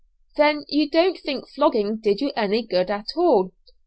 "Then you don't think flogging did you any good at all?"